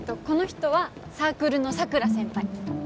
この人はサークルの桜先輩